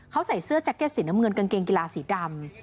เขาใส่เสื้อแจ็คเก็ตสีน้ำเงินกางเกงกีฬาสีดำ